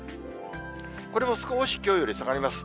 これも少しきょうより下がります。